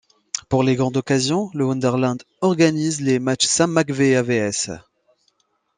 Pour les grandes occasions, le Wonderland organise, les matches Sam McVea vs.